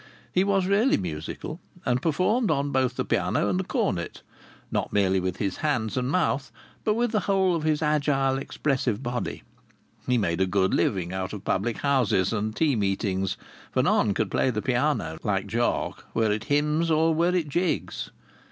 He was really musical and performed on both the piano and the cornet, not merely with his hands and mouth, but with the whole of his agile expressive body. He made a good living out of public houses and tea meetings, for none could play the piano like Jock, were it hymns or were it jigs.